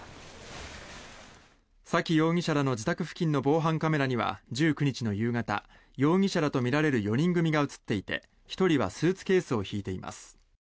沙喜容疑者らの自宅付近の防犯カメラには１９日の夕方容疑者らとみられる４人組が映っていて１人はスーツケースを引いています。